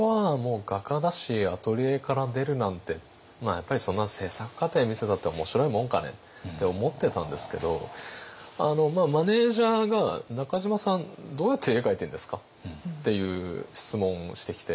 やっぱり「そんな制作過程見せたって面白いもんかね？」って思ってたんですけどマネージャーが「中島さんどうやって絵描いているんですか？」っていう質問をしてきて。